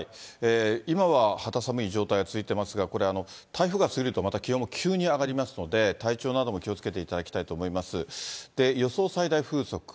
今は肌寒い状態が続いていますが、これ、台風が過ぎるとまた気温が急に上がりますので、体調なども気をつけていただきたいと思います。